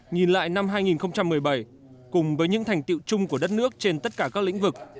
nhìn lại năm hai nghìn một mươi bảy cùng với những thành tiệu chung của đất nước trên tất cả các lĩnh vực